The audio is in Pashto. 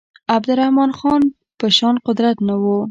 عبدالرحمن خان په شان قدرت نه وو.